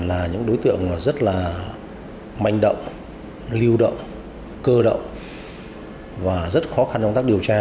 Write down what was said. là những đối tượng rất là manh động lưu động cơ động và rất khó khăn trong tác điều tra